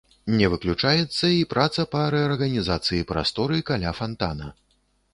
Не выключаецца і праца па рэарганізацыі прасторы каля фантана.